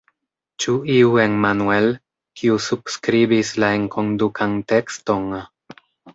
Ĉu iu Emmanuel, kiu subskribis la enkondukan tekston?